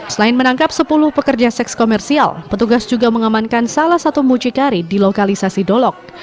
selain menangkap sepuluh pekerja seks komersial petugas juga mengamankan salah satu mucikari di lokalisasi dolok